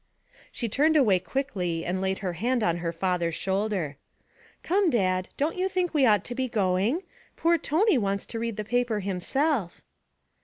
She turned away quickly and laid her hand on her father's shoulder. 'Come, Dad, don't you think we ought to be going? Poor Tony wants to read the paper himself.'